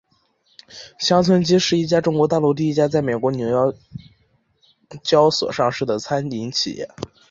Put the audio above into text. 乡村基是一家中国大陆第一家在美国纽交所上市的餐饮企业。